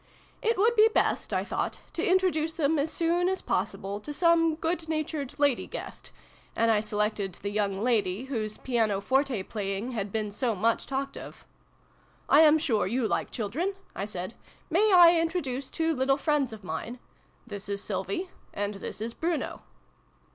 It would be best, I thought, to introduce them as soon as possible to some good natured lady guest, and I selected the young lady whose piano forte playing had been so much talked of. " I am sure you like children," I said. " May I introduce two little friends of mine ? This is Sylvie and this is Bruno."